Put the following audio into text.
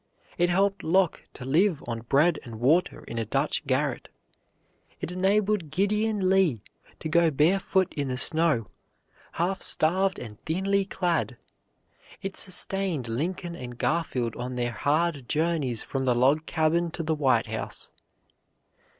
It helped Locke to live on bread and water in a Dutch garret. It enabled Gideon Lee to go barefoot in the snow, half starved and thinly clad. It sustained Lincoln and Garfield on their hard journeys from the log cabin to the White House.